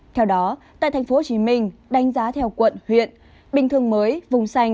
theo đó tại thành phố hồ chí minh đánh giá theo quận huyện bình thường mới vùng xanh